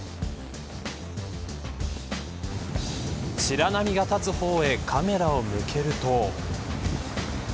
白波が立つ方へカメラを向けると。